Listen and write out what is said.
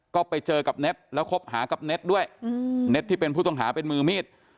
ก็ไปเจอกับเน็ตแล้วคบหากับเน็ตด้วยเน็ตที่เป็นผู้ต้องหาเป็นมือมีด